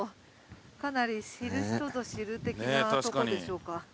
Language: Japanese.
かなり知る人ぞ知る的なとこでしょうか。